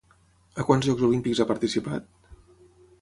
A quants Jocs Olímpics ha participat?